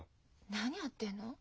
何やってるの？